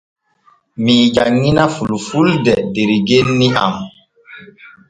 Mii janŋina fulfulde der genni am.